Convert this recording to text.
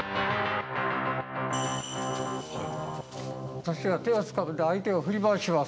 私が手をつかんで相手を振り回します。